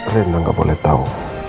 reina nggak boleh tahu